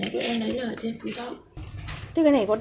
cơ sở này tụi em lấy là ở trên phú thọ